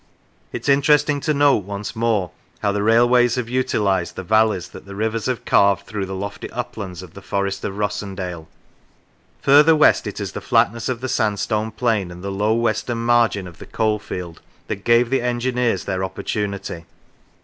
It is interesting to note once more how the railways have utilised the valleys that the rivers have carved through the lofty uplands of the Forest of Rossendale; further west it is the flatness of the sandstone plain and the low western margin of the coalfield that gave the en gineers their opportunity.